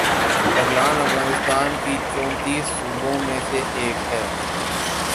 بغلان افغانستان کے چونتیس صوبوں میں سے ایک ہے